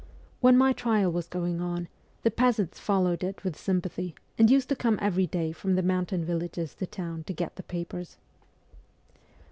When my trial was going on, the peasants followed it with sympathy, and used to come every day from the mountain villages to town to get the papers.